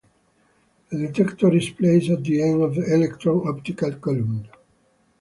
A detector is placed at the end of electron optical column.